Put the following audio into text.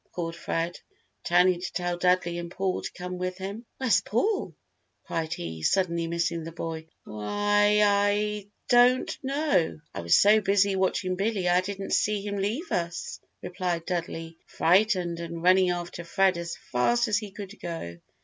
called Fred, turning to tell Dudley and Paul to come with him. "Where's Paul?" cried he, suddenly missing the boy. "Wh hy I don't know. I was so busy watching Billy I didn't see him leave us," replied Dudley, frightened and running after Fred as fast as he could go.